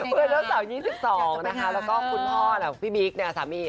เพื่อนเจ้าสาวที่๒๒นะคะ